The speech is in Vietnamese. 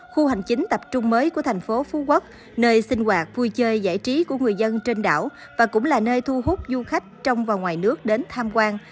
khu hành chính tập trung mới của thành phố phú quốc nơi sinh hoạt vui chơi giải trí của người dân trên đảo và cũng là nơi thu hút du khách trong và ngoài nước đến tham quan